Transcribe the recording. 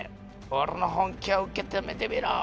「俺の本気を受け止めてみろ！」